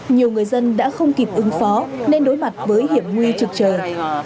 nhiều người dân đã không kịp ứng phó nên đối mặt với hiểm nguy trực trời